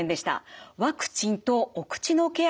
ワクチンとお口のケア